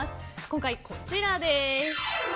今回こちらです。